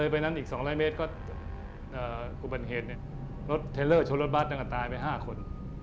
ไปนั้นอีก๒๐๐เมตรก็เห็นรถเทลเลอร์ชนรถบัตรต่างกันตายไป๕คน